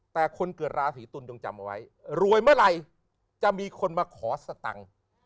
แต่คนเกิดราศีตุลจงจำเอาไว้รวยเมื่อไหร่จะมีคนมาขอสตังค์